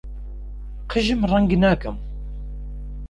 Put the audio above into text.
قژم ڕەنگ ناکەم.